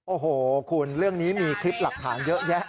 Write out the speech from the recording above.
โอ้โหคุณเรื่องนี้มีคลิปหลักฐานเยอะแยะ